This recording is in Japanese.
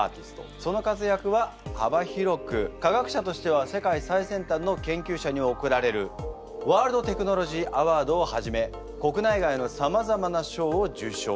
その活躍は幅広く科学者としては世界最先端の研究者におくられるワールド・テクノロジー・アワードをはじめ国内外のさまざまな賞を受賞。